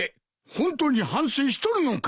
ホントに反省しとるのか！